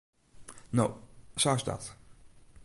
No, sa is dat.